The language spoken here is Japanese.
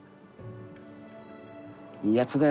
いいやつだよ。